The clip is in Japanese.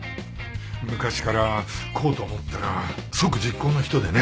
昔からこうと思ったら即実行の人でね。